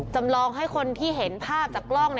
จำลองให้คนที่เห็นภาพจากกล้อง